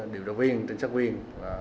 điều tra viên trinh sát viên